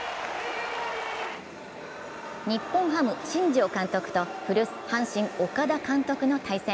日本ハム・新庄監督と古巣、岡田監督の対戦。